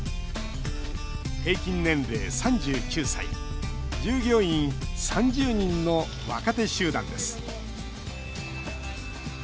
平均年齢３９歳従業員３０人の若手集団です。